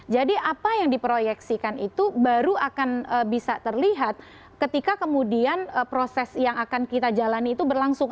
apa yang diproyeksikan itu baru akan bisa terlihat ketika kemudian proses yang akan kita jalani itu berlangsung